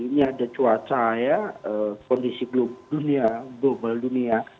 ini ada cuaca ya kondisi global dunia